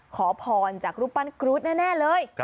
ขอพรจากรูปปั้นกรู๊ดแน่เลย